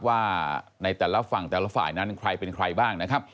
ว่าในแต่ละฝั่งแต่ละฝ่ายนั้นใครเป็นใครบ้างนะครับ